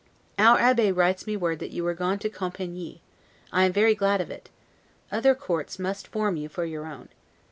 Our Abbe writes me word that you were gone to Compiegne: I am very glad of it; other courts must form you for your own.